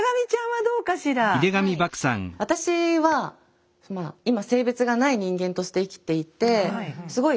私はまあ今性別がない人間として生きていてはい。